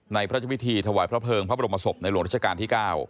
พระเจ้าพิธีถวายพระเภิงพระบรมศพในหลวงรัชกาลที่๙